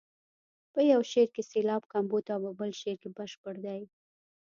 په یو شعر کې سېلاب کمبود او په بل کې بشپړ دی.